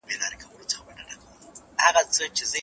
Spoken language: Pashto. د مثبت غبرګون خندا هم شته.